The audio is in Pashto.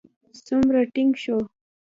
څومره ټينګ شو.